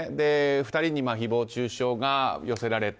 ２人に誹謗中傷が寄せられた。